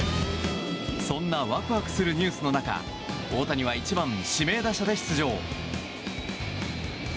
そんなワクワクするニュースの中大谷は１番指名打者で出場。